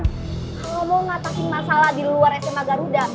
kalau mau ngatasi masalah di luar sma garuda